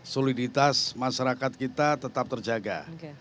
soliditas masyarakat kita tetap terjaga